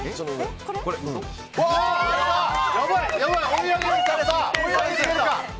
追い上げられる！